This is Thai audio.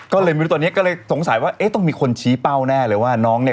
ก็เลยตัวนี้สงสัยว่าต้องมีคนชี้เป้าแน่เลยว่าน้องเนี่ย